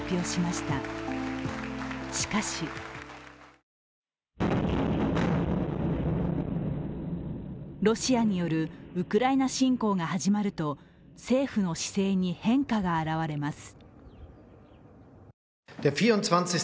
しかしロシアによるウクライナ侵攻が始まると政府の姿勢に変化が現れます。